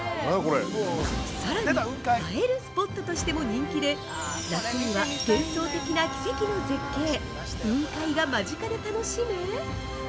さらに、映えるスポットとしても人気で、夏には幻想的な奇跡の絶景雲海が間近で楽しめ